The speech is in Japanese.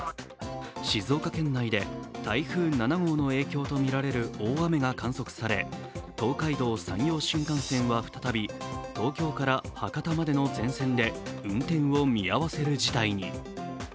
静岡県内で台風７号の影響とみられる大雨が観測され東海道・山陽新幹線は再び東京から博多までの全線で運転を見合わせる事態に。